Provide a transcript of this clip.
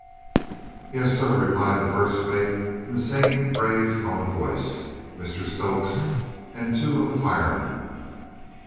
"Yes, sir," replied the first mate in the same grave tone of voice. "Mr Stokes and two of the firemen."